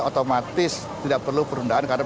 otomatis tidak perlu perundaan karena